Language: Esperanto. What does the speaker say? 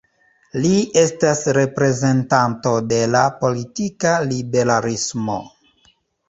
Li estas reprezentanto de la politika liberalismo.